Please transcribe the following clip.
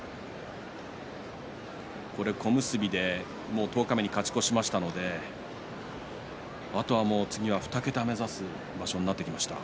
小結で十日目に勝ち越しましたのであとは２桁を目指す場所になってきました。